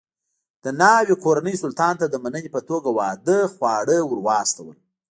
د ناوې کورنۍ سلطان ته د مننې په توګه واده خواړه ور واستول.